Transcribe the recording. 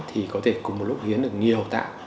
thì có thể cùng một lúc hiến được nhiều tạng